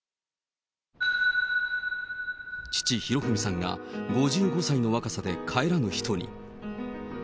父、博文さんが５５歳の若さで帰らぬ人に。